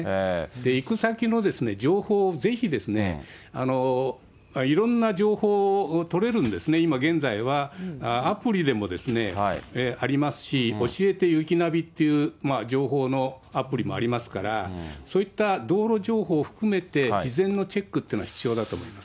行く先の情報をぜひ、いろんな情報を取れるんですね、今現在は、アプリでもありますし、おしえて雪ナビっていう情報のアプリもありますから、そういった道路情報を含めて、事前のチェックっていうのは必要だと思います。